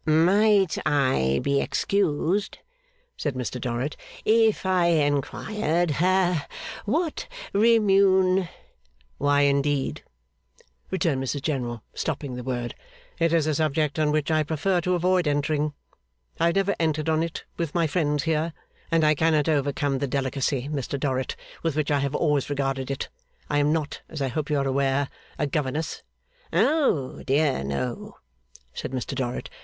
'Might I be excused,' said Mr Dorrit, 'if I inquired ha what remune ' 'Why, indeed,' returned Mrs General, stopping the word, 'it is a subject on which I prefer to avoid entering. I have never entered on it with my friends here; and I cannot overcome the delicacy, Mr Dorrit, with which I have always regarded it. I am not, as I hope you are aware, a governess ' 'O dear no!' said Mr Dorrit.